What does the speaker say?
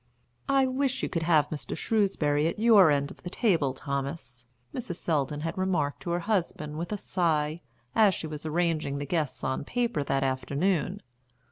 "I wish you could have Mr. Shrewsbury at your end of the table, Thomas," Mrs. Selldon had remarked to her husband with a sigh, as she was arranging the guests on paper that afternoon.